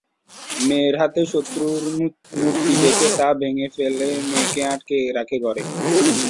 মেয়ের হাতে শত্রুর মূর্তি দেখে তা ভেঙ্গে ফেলে মেয়েকে আটকে রাখে ঘরে।